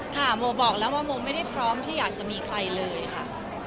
โมบอกแล้วว่าโมไม่ได้พร้อมที่อยากจะมีใครเลยค่ะ